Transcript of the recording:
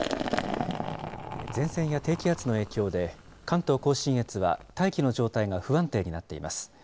前線や低気圧の影響で、関東甲信越は大気の状態が不安定になっています。